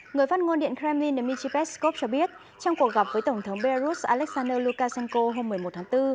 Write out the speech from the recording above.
người phát ngôn điện kremlin dmitry peskov cho biết trong cuộc gặp với tổng thống belarus alexander lukashenko hôm một mươi một tháng bốn